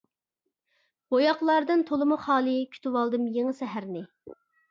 بوياقلاردىن تولىمۇ خالىي، كۈتۈۋالدىم يېڭى سەھەرنى.